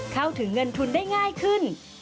เข้าถึงเงินทุนได้ง่ายขึ้น